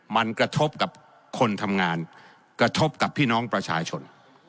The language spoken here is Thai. มันกระทบกับคนทำงานกระทบกับพี่น้องประชาชน